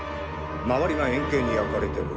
周りが円形に焼かれてる。